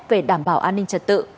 về đảm bảo an ninh trật tự